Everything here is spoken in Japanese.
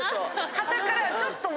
傍からはちょっと。